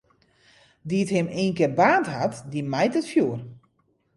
Dy't him ienkear baarnd hat, dy mijt it fjoer.